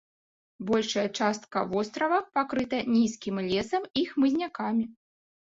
Большая частка вострава пакрыта нізкім лесам і хмызнякамі.